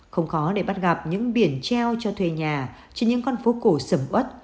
không khó để bắt gặp những biển treo cho thuê nhà trên những con phố cổ sầm ớt